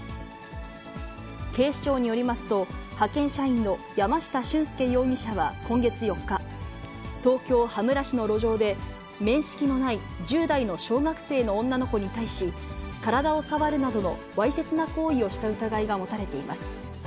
警視庁によりますと、派遣社員の山下駿介容疑者は今月４日、東京・羽村市の路上で、面識のない１０代の小学生の女の子に対し、体を触るなどのわいせつな行為をした疑いが持たれています。